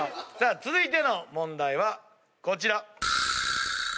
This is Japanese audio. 続いての問題はこちら。